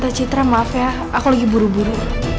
citra maaf ya aku lagi buru buru